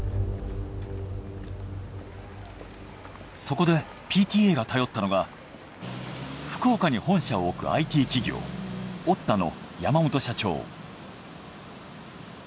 そこでＰＴＡが頼ったのが福岡に本社を置くＩＴ企業ホントは。